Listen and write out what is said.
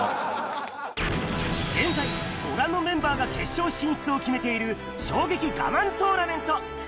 現在、ご覧のメンバーが決勝進出を決めている衝撃我慢トーナメント。